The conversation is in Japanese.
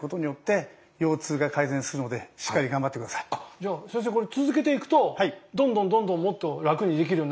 じゃあ先生これ続けていくとどんどんもっと楽にできるようになるんですか？